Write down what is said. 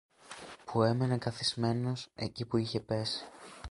που έμενε καθισμένος εκεί που είχε πέσει